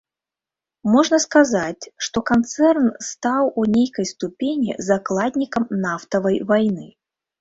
Можна сказаць, што канцэрн стаў у нейкай ступені закладнікам нафтавай вайны.